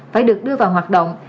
phải được đưa vào hoạt động